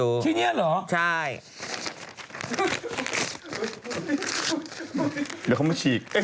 เอ้ยไม่ให้เดี๋ยวเขามาซ้องผม